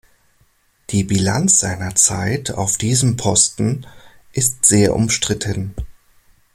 Die Bilanz seiner Zeit auf diesem Posten ist sehr umstritten.